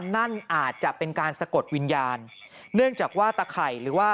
หลังจากพบศพผู้หญิงปริศนาตายตรงนี้ครับ